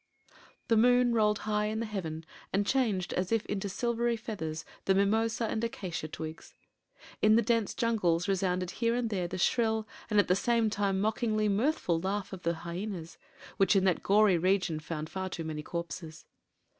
The moon rolled high in the heaven and changed, as if into silvery feathers, the mimosa and acacia twigs. In the dense jungles resounded here and there the shrill and, at the same time, mockingly mirthful laugh of the hyenas, which in that gory region found far too many corpses.